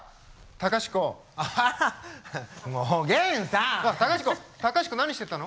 隆子何してたの？